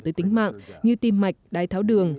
tới tính mạng như tim mạch đai tháo đường